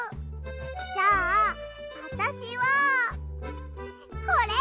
じゃああたしはこれ！